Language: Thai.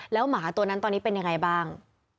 แล้วหมาตัวนั้นตอนนี้เป็นยังไงบ้าง